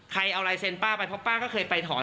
เอาลายเซ็นต์ป้าไปเพราะป้าก็เคยไปถอน